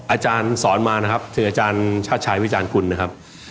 อาจารย์สอนมานะครับคืออาจารย์ชาติชายวิจารณกุลนะครับ